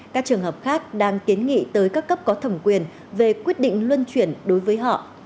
các trường hợp khác đang kiến nghị tới các cấp có thẩm quyền về quyết định luân chuyển đối với họ